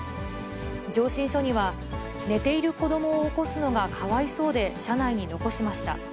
上申書には、寝ている子どもを起こすのがかわいそうで車内に残しました。